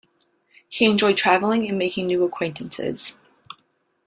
He enjoyed traveling and making new acquaintances.